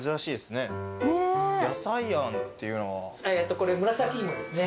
これ紫芋ですね。